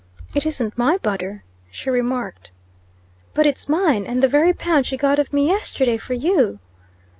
"It isn't my butter," she remarked. "But it's mine, and the very pound she got of me yesterday for you."